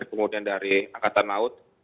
kemudian dari angkatan laut